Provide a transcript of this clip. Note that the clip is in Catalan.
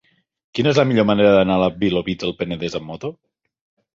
Quina és la millor manera d'anar a Vilobí del Penedès amb moto?